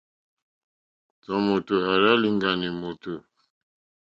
Tɔ̀ mòtò àrzá lìɡànì mòtò.